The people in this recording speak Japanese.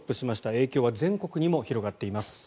影響は全国にも広がっています。